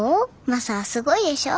マサはすごいでしょ？